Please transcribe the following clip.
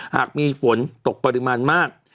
หากมีฝนตกปริมาณมาก